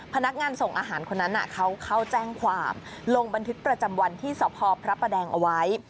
พนักงานส่งอาหารคนนั้นเขาแจ้งความลงบันทึกประจำวันที่สพพระประแดงเอาไว้